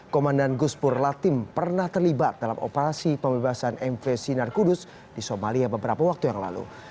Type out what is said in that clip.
komandan guspur latim pernah terlibat dalam operasi pembebasan mv sinar kudus di somalia beberapa waktu yang lalu